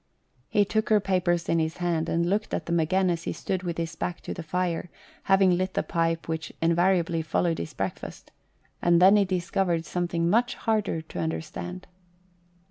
He took her papers in his hand, and looked at them again as he stood with his back to the fire, having lit the pipe which invariably followed his breakfast, and then he discovered something much harder to understand.